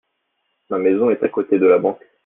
Ma maison est à côté de la banque.